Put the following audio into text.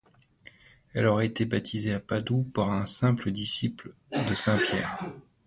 Elle aurait été baptisée à Padoue par un disciple de saint Pierre.